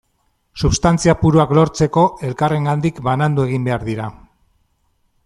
Substantzia puruak lortzeko, elkarrengandik banandu egin behar dira.